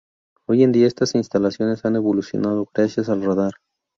Hoy en día, estas instalaciones han evolucionado gracias al radar.